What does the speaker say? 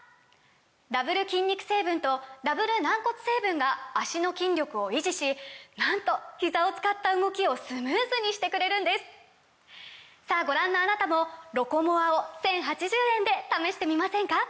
ダブル筋肉成分とダブル軟骨成分が脚の筋力を維持しなんとひざを使った動きをスムーズにしてくれるんですさぁご覧のあなたも「ロコモア」を１，０８０円で試してみませんか！